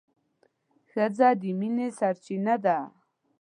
ښځه د مينې سرچينه ده